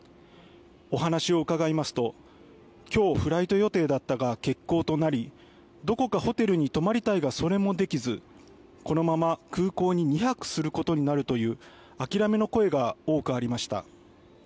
お話を伺いますと今日、フライト予定だったが欠航となりどこかホテルに泊まりたいがそれもできず、このまま空港に２泊することになるという諦めの声が多くありました。